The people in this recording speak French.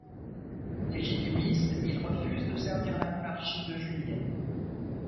Légitimiste, il refuse de servir la Monarchie de Juillet.